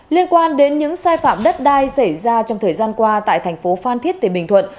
liên quan đến những sai phạm đất đai xảy ra trong thời gian qua tại thành phố phan thiết tỉnh bình thuận